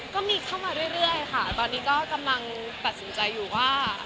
ก็มีเข้ามาเรื่อยค่ะตอนนี้ก็กำลังตัดสินใจอยู่ว่า